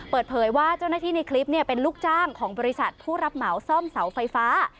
เปิดเผยว่าเจ้าหน้าที่ในคลิปเป็นลูกจ้างของบริษัทผู้รับเหมาซ่อมเสาไฟฟ้า